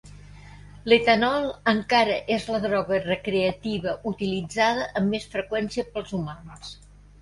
L'etanol encara és la droga recreativa utilitzada amb més freqüència pels humans.